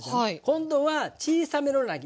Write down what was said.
今度は小さめの乱切り。